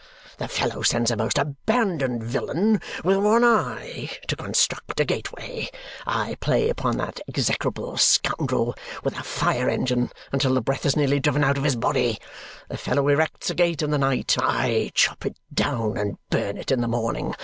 The fellow sends a most abandoned villain with one eye to construct a gateway. I play upon that execrable scoundrel with a fire engine until the breath is nearly driven out of his body. The fellow erects a gate in the night. I chop it down and burn it in the morning.